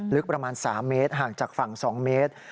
ลึกประมาณ๓เมตรห่างจากฝั่ง๒เมตร